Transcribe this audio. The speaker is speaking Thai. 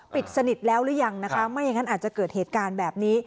สนิทแล้วหรือยังนะคะไม่อย่างนั้นอาจจะเกิดเหตุการณ์แบบนี้